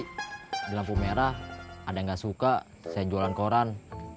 di lampu merah ada yang gak suka saya jualan koran